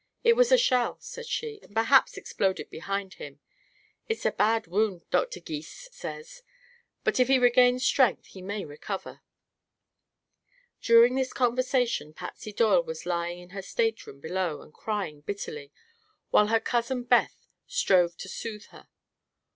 "It was a shell," she said, "and perhaps exploded behind him. It's a bad wound, Dr. Gys says, but if he regains strength he may recover." During this conversation Patsy Doyle was lying in her stateroom below and crying bitterly, while her cousin Beth strove to soothe her.